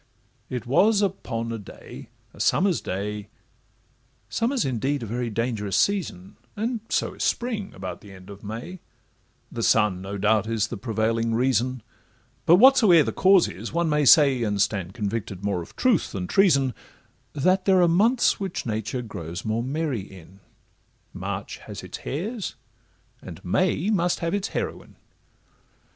It was upon a day, a summer's day.— Summer's indeed a very dangerous season, And so is spring about the end of May; The sun, no doubt, is the prevailing reason; But whatsoe'er the cause is, one may say, And stand convicted of more truth than treason, That there are months which nature grows more merry in,— March has its hares, and May must have its heroine.